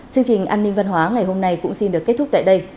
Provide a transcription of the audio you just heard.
chương trình an ninh văn hóa ngày hôm nay cũng xin được kết thúc tại đây